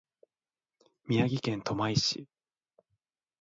宮城県登米市